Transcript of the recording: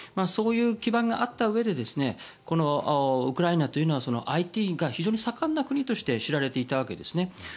そういう基盤があったうえでウクライナというのはＩＴが非常に盛んな国として知られていたわけですね。